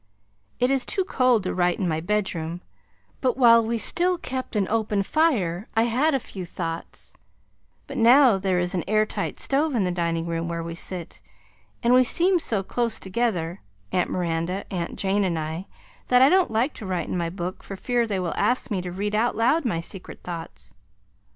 It is too cold to write in my bedroom but while we still kept an open fire I had a few thoughts, but now there is an air tight stove in the dining room where we sit, and we seem so close together, Aunt Miranda, Aunt Jane and I that I don't like to write in my book for fear they will ask me to read out loud my secret thoughts.